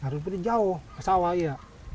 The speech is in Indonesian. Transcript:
nyari rumputnya jauh ke sawah iya